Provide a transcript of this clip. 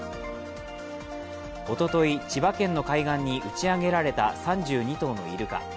おととい、千葉県の海岸に打ち上げられた３２頭のイルカ。